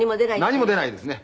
何も出ないですね。